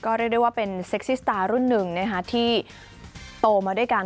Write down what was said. เรียกได้ว่าเป็นเซ็กซี่สตาร์รุ่นหนึ่งที่โตมาด้วยกัน